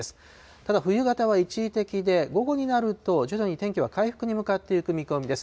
ただ冬型は一時的で、午後になると徐々に天気は回復に向かっていく見込みです。